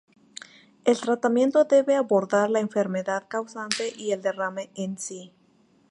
El tratamiento debe abordar la enfermedad causante y al derrame en sí.